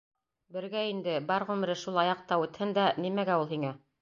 — Бергә инде, бар ғүмере шул аяҡта үтһен дә, нимәгә ул һиңә?